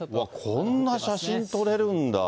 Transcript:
こんな写真撮れるんだ。